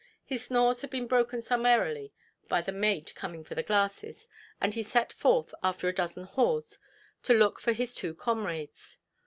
His snores had been broken summarily by the maid coming for the glasses, and he set forth, after a dozen "haws", to look for his two comrades.